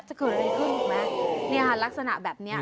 จะเกิดอะไรขึ้นถูกไหมเนี่ยค่ะลักษณะแบบเนี้ย